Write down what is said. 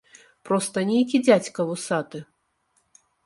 Проста нейкі дзядзька вусаты.